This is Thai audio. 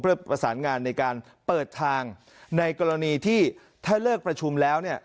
เพื่อประสานงานในการเปิดทางในกรณีที่ถ้าเลิกประชุมแล้วเนี่ย